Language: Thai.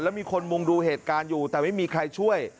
แล้วมีคนมุงดูเหตุการณ์อยู่แต่ไม่มีใครช่วย